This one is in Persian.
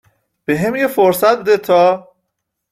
.بهم یه فرصت بده تا-